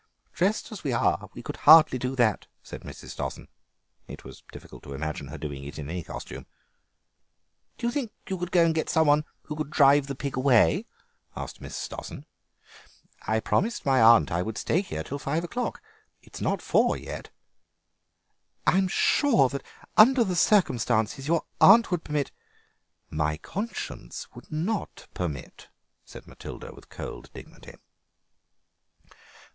"Dressed as we are we could hardly do that," said Mrs. Stossen; it was difficult to imagine her doing it in any costume. "Do you think you could go and get some one who would drive the pig away?" asked Miss Stossen. "I promised my aunt I would stay here till five o'clock; it's not four yet." "I am sure, under the circumstances, your aunt would permit—" "My conscience would not permit," said Matilda with cold dignity.